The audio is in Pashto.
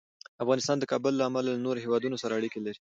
افغانستان د کابل له امله له نورو هېوادونو سره اړیکې لري.